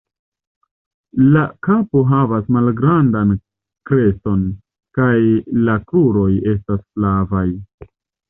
La kapo havas malgrandan kreston, kaj la kruroj estas flavaj.